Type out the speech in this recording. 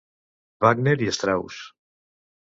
Wagner i Strauss.